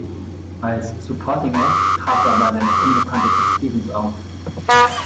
Als "supporting act" trat dabei der noch unbekannte Cat Stevens auf.